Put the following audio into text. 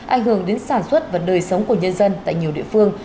ảnh hưởng đến sản xuất và đời sống của nhân dân tại nhiều địa phương